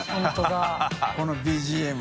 この ＢＧＭ。）